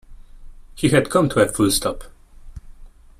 He had come to a full stop